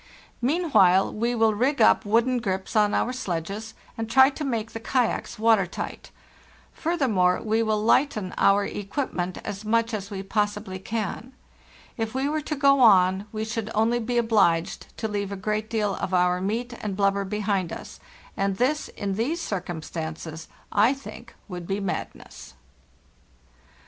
Meanwhile we will rig up wooden grips on our sledges, and try to make the kayaks water tight. Furthermore, we will lighten our equipment as much as we possibly can. If we were to go on we should only be obliged to leave a great deal of our meat and blubber behind us, and this, in these circumstances, I think would be madness.